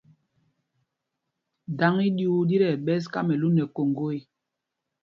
Dǎŋ í ɗyuu ɗí tí ɛɓɛs Kamɛlún nɛ Koŋgo ê.